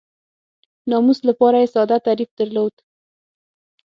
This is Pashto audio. ناموس لپاره یې ساده تعریف درلود.